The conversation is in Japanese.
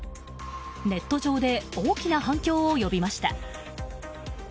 ネット上で大きな反響を呼びました。